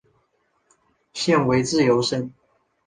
现为自由身。